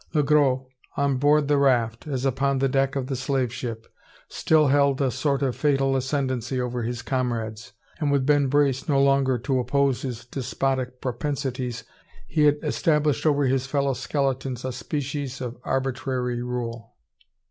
Le Gros on board the raft, as upon the deck of the slave ship still held a sort of fatal ascendency over his comrades; and with Ben Brace no longer to oppose his despotic propensities, he had established over his fellow skeletons a species of arbitrary rule.